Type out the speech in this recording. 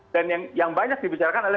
dan yang banyak dibicarakan adalah